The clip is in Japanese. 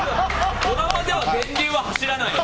ドラマでは電流は走らないよ。